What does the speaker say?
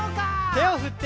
「手を振って」